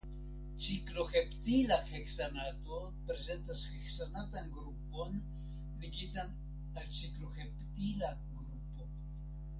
Cikloheptila heksanato prezentas heksanatan grupon ligitan al cikloheptila grupo.